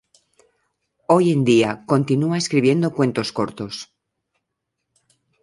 Hoy en día continúa escribiendo cuentos cortos.